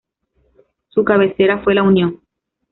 Su cabecera fue La Unión.